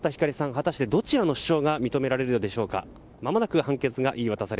果たして、どちらの主張が認められるのでしょうか。